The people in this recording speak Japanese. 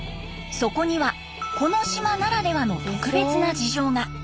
そこにはこの島ならではの特別な事情が。